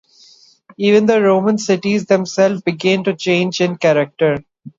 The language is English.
Even the Roman cities themselves began to change in character.